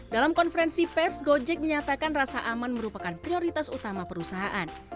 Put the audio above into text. dalam konferensi pers gojek menyatakan rasa aman merupakan prioritas utama perusahaan